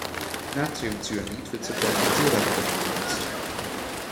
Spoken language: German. Natriumcyanid wird zur Gold- und Silbergewinnung genutzt.